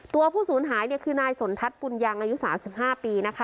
ตัวผู้สูญหายเนี่ยคือนายสนทัศน์ภูมิยังอายุสามสิบห้าปีนะคะ